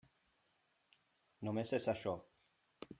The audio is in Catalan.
Només és això.